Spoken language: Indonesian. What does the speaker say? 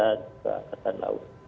angkatan udara ke angkatan laut